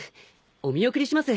お見送りします。